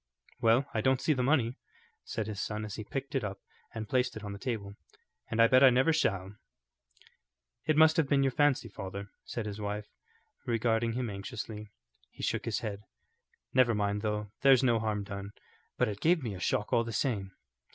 "Well, I don't see the money," said his son as he picked it up and placed it on the table, "and I bet I never shall." "It must have been your fancy, father," said his wife, regarding him anxiously. He shook his head. "Never mind, though; there's no harm done, but it gave me a shock all the same."